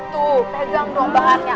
tuh pegang doang bahannya